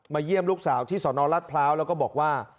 เยี่ยมลูกสาวที่สนรัฐพร้าวแล้วก็บอกว่า